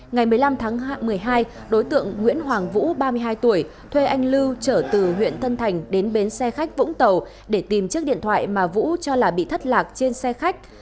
ngày một mươi năm tháng một mươi hai đối tượng nguyễn hoàng vũ ba mươi hai tuổi thuê anh lưu trở từ huyện tân thành đến bến xe khách vũng tàu để tìm chiếc điện thoại mà vũ cho là bị thất lạc trên xe khách